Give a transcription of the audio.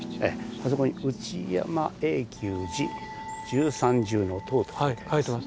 あそこに「内山永久寺十三重塔」と書いてあります。